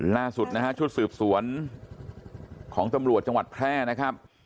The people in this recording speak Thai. ล่าสุดนะฮะชุดสืบสวนของตำรวจจังหวัดแพร่นะครับ